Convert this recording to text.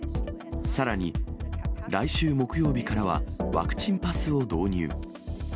さらに、来週木曜日からは、ワクチンパスを導入。